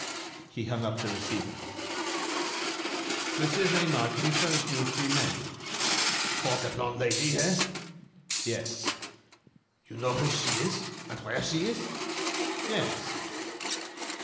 He hung up the receiver. "Monsieur Ganimard, can you furnish me with three men?" "For the blonde Lady, eh?" "Yes." "You know who she is, and where she is?" "Yes."